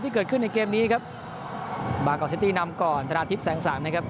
เกิดขึ้นในเกมนี้ครับบากอกซิตี้นำก่อนชนะทิพย์แสงสังนะครับ